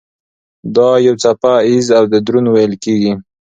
دا یو څپه ایز او دروند ویل کېږي.